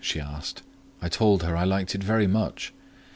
she asked. I told her I liked it very much.